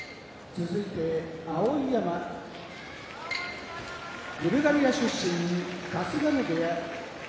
碧山ブルガリア出身春日野部屋